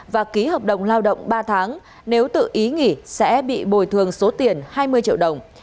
và ký hợp đồng lao động ba tháng nếu tự ý nghỉ sẽ bị bồi thường số tiền hai mươi triệu đồng